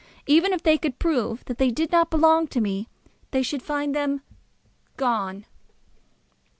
Even if they could prove that they did not belong to me, they should find them gone."